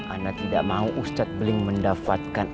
anda tidak mau ustad bling mendapatkan